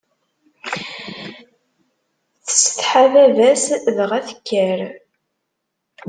Tsetḥa baba-s, dɣa tekker.